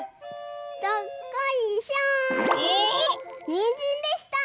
にんじんでした！